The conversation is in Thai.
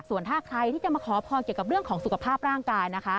ส่วนถ้าใครที่จะมาขอพรเกี่ยวกับเรื่องของสุขภาพร่างกายนะคะ